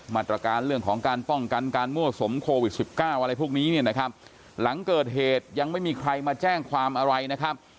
มาตรการเรื่องของการป้องกันการมั่วสุมโควิดสิบเก้าอะไรพวกนี้เนี่ยนะครับหลังเกิดเหตุยังไม่มีใครมาแจ้งความอะไรนะครับ